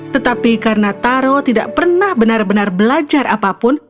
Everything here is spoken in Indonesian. tetapi karena taro tidak pernah benar benar belajar apapun